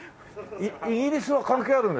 イギリスは関係あるんですか？